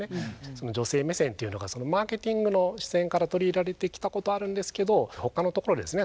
その女性目線っていうのがマーケティングの視点から取り入れられてきたことあるんですけどほかのところですね